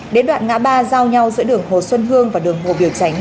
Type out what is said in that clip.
đến đoạn ngã ba giao nhau giữa đường hồ xuân hương và đường hồ biểu tránh